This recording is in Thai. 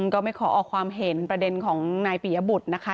ก็ไม่ขอออกความเห็นประเด็นของนายปียบุตรนะคะ